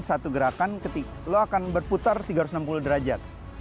satu gerakan lo akan berputar tiga ratus enam puluh derajat